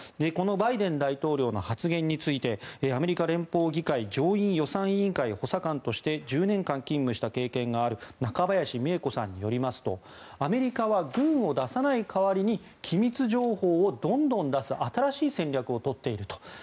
このバイデン大統領の発言についてアメリカ連邦議会上院予算委員会補佐官として１０年間勤務した経験がある中林美恵子さんによりますとアメリカは軍を出さない代わりに機密情報をどんどん出す新しい戦略を取っていると。